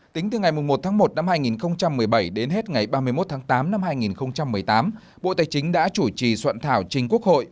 tính từ ngày một một hai nghìn một mươi bảy đến hết ngày ba mươi một tám hai nghìn một mươi tám bộ tài chính đã chủ trì soạn thảo trình quốc hội